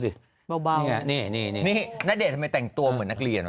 นี่ไงนี่ณเดชน์ทำไมแต่งตัวเหมือนนักเรียนวะ